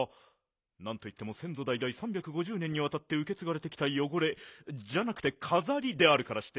なんといってもせんぞだいだい３５０年にわたってうけつがれてきたよごれじゃなくてかざりであるからして。